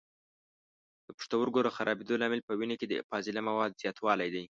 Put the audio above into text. د پښتورګو د خرابېدلو لامل په وینه کې د فاضله موادو زیاتولی دی.